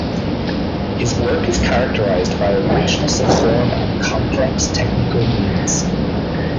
His work is characterized by a richness of form and complex technical means.